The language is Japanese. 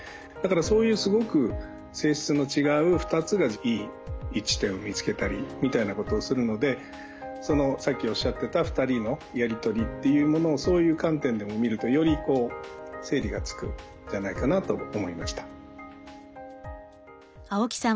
だからそういうすごく性質の違う二つがいい位置点を見つけたりみたいなことをするのでさっきおっしゃってた二人のやり取りというものをそういう観点でも見るとより整理がつくんじゃないかなと思いました。